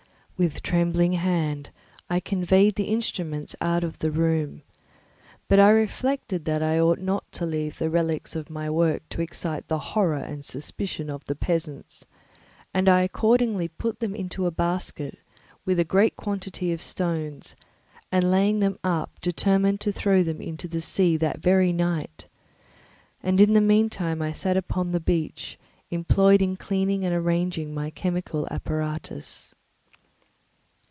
With trembling hand I conveyed the instruments out of the room, but I reflected that I ought not to leave the relics of my work to excite the horror and suspicion of the peasants; and I accordingly put them into a basket, with a great quantity of stones, and laying them up, determined to throw them into the sea that very night; and in the meantime I sat upon the beach, employed in cleaning and arranging my chemical apparatus.